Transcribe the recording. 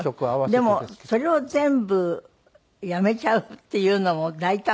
でもそれを全部辞めちゃうっていうのも大胆。